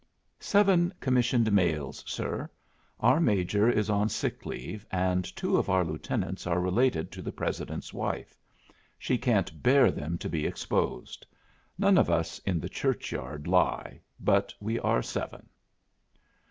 "Seven commissioned males, sir. Our Major is on sick leave, and two of our Lieutenants are related to the President's wife. She can't bear them to be exposed. None of us in the church yard lie but we are seven."